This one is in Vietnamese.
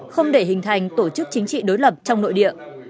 không để hình thành tổ chức chính trị đối lập trong nội địa